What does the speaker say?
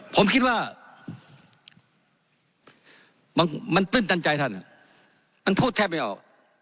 ผมคิดว่ามันตื้นตันใจท่านมันพูดแทบไม่ออก